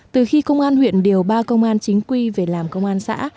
từ khi công an huyện điều ba công an chính quy về làm công an xã